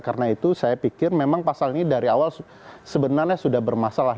karena itu saya pikir memang pasal ini dari awal sebenarnya sudah bermasalah